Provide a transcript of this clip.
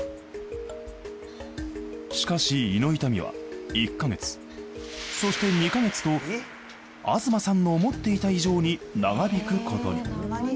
しかし胃の痛みは１か月そして２か月と東さんの思っていた以上に長引くことに。。